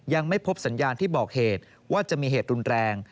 ยังไม่พบสัญญาณที่บอกเหตุว่าจะมีเหตุรุนแรง